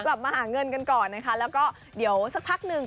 กลับมาหาเงินกันก่อนนะคะแล้วก็เดี๋ยวสักพักหนึ่ง